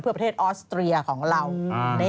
เพื่อประเทศออสเตรียของเรา